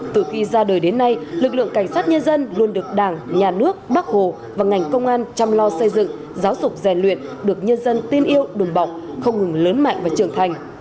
từ khi ra đời đến nay lực lượng cảnh sát nhân dân luôn được đảng nhà nước bác hồ và ngành công an chăm lo xây dựng giáo dục rèn luyện được nhân dân tin yêu đùm bọc không ngừng lớn mạnh và trưởng thành